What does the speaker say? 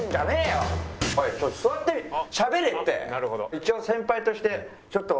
一応先輩としてちょっと。